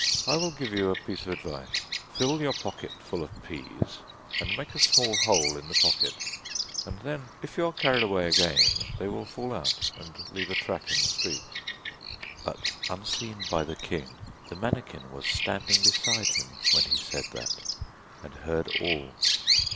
'I will give you a piece of advice. Fill your pocket full of peas, and make a small hole in the pocket, and then if you are carried away again, they will fall out and leave a track in the streets.' But unseen by the king, the manikin was standing beside him when he said that, and heard all.